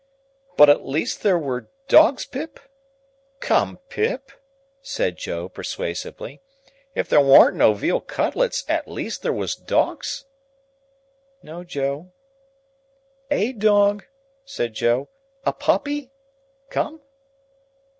"But at least there was dogs, Pip? Come, Pip," said Joe, persuasively, "if there warn't no weal cutlets, at least there was dogs?" "No, Joe." "A dog?" said Joe. "A puppy? Come?"